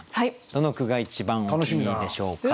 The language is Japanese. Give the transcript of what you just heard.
どの句が一番お気に入りでしょうか。